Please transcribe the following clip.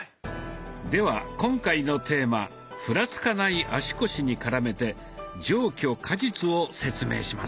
では今回のテーマ「ふらつかない足腰」に絡めて「上虚下実」を説明します。